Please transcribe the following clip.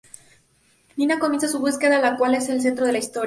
Nina comienza su búsqueda la cual es el centro de la historia.